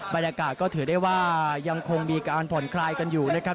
บรรยากาศก็ถือได้ว่ายังคงมีการผ่อนคลายกันอยู่นะครับ